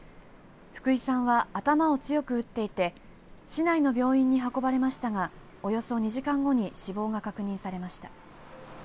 福井さんは頭を強く打っていて市内の病院に運ばれましたがおよそ２時間後に死亡が確認されました。